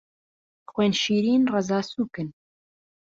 خوێن شیرن، ڕەزا سووکن